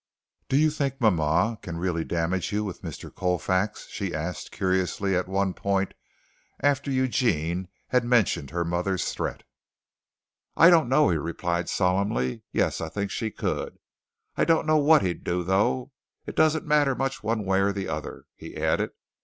"Do you think mama can really damage you with Mr. Colfax?" she asked curiously at one point, after Eugene had mentioned her mother's threat. "I don't know," he replied solemnly. "Yes, I think she could. I don't know what he'd do, though. It doesn't matter much one way or the other," he added.